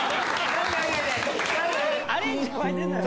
アレンジ加えてるのよ。